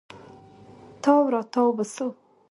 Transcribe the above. تاو راتاو به سو.